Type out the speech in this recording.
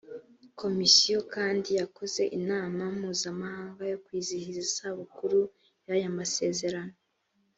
komisiyo kandi yakoze inama mpuzamahanga yo kwizihiza isabukuru ya y amasezerano